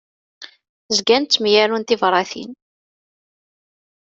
Zgan ttemyarun tibratin.